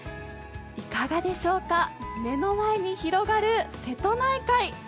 いかがでしょうか、目の前に広がる瀬戸内海。